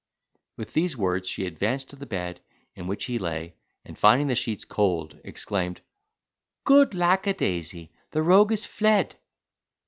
With these words she advanced to the bed, in which he lay, and, finding the sheets cold, exclaimed, "Good lackadaisy! The rogue is fled."